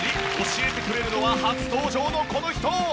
教えてくれるのは初登場のこの人。